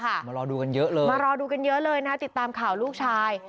มารอดูกันเยอะเลยมารอดูกันเยอะเลยนะติดตามข่าวลูกชาย